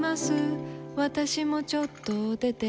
私もちょっと出ています。